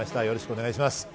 よろしくお願いします。